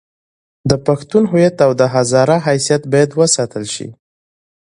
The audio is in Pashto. د پښتون هویت او د هزاره حیثیت باید وساتل شي.